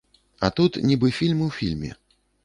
А тут нібы фільм у фільме.